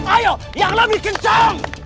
ayo yang lebih kencang